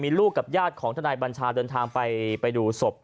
มีลูกกับญาติของทนายบัญชาเดินทางไปดูศพ